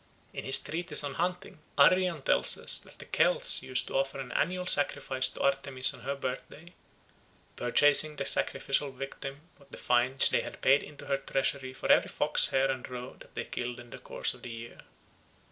In his treatise on hunting, Arrian tells us that the Celts used to offer an annual sacrifice to Artemis on her birthday, purchasing the sacrificial victim with the fines which they had paid into her treasury for every fox, hare, and roe that they had killed in the course of the year.